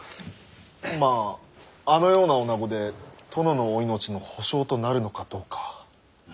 まああのようなおなごで殿のお命の保証となるのかどうか。